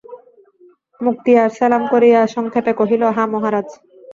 মুক্তিয়ার সেলাম করিয়া সংক্ষেপে কহিল, হাঁ মহারাজ।